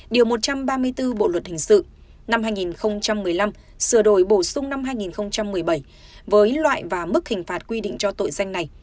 điều một trăm ba mươi bốn bộ luật hình sự năm hai nghìn một mươi năm sửa đổi bổ sung năm hai nghìn một mươi bảy với loại và mức hình phạt quy định cho tội danh này